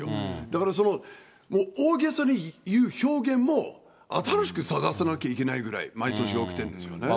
だからおおげさにいう表現も、新しく探さなきゃいけないくらい、毎年起きてるんですよね。